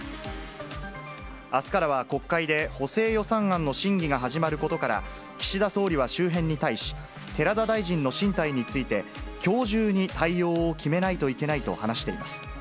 あすからは国会で補正予算案の審議が始まることから、岸田総理は周辺に対し、寺田大臣の進退について、きょう中に対応を決めないといけないと話しています。